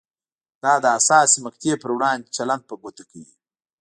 دا د حساسې مقطعې پر وړاندې چلند په ګوته کوي.